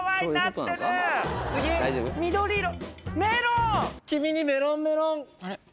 緑色。